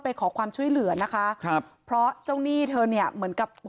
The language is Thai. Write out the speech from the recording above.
ไปขอความช่วยเหลือนะคะครับเพราะเจ้าหนี้เธอเนี่ยเหมือนกับ